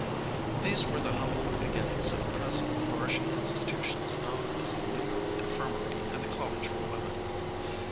These were the humble beginnings of the present flourishing institutions known as the New York Infirmary and the College for Women.